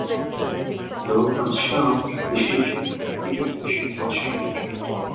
Though unstaffed, the station has a ticket machine installed.